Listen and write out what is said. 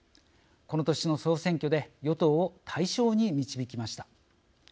この年の総選挙で与党を大勝に導きました。